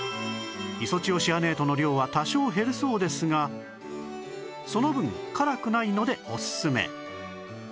イソチオシアネートの量は多少減るそうですがその分辛くないのでオススメ